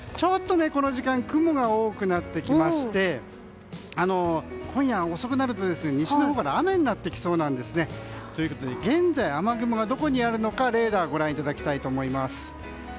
この時間雲が多くなってきまして今夜遅くなると西のほうから雨になってきそうなんですね。ということで現在、雨雲がどこにあるのかレーダーをご覧いただきたいと思います。